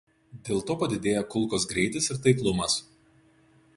Dėl to padidėja kulkos greitis ir taiklumas.